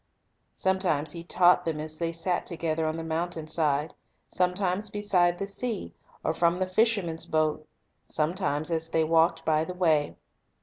Sometimes He taught them as they sat together on the mountainside, sometimes beside the sea, or from the fisherman's boat, sometimes as they walked by the way.